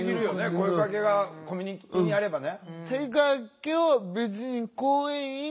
声かけがコミュニティーにあればね。